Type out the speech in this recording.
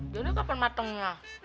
jonny kapan matengnya